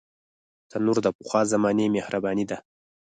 تنور د پخوا زمانو مهرباني ده